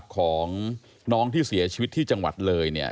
ของน้องที่เสียชีวิตที่จังหวัดเลยเนี่ย